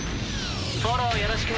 フォローよろしく。